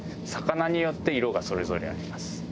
魚によって色がそれぞれあります。